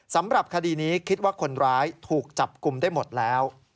สำหรับคดีนี้คิดว่าคนร้ายถูกจับกลุ่มได้หมดแล้ว